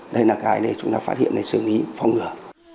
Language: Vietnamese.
đây là cái chúng ta phát hiện để xử lý phong ngừa